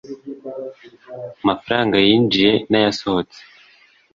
Amafaranga yinjiye n ayasohotse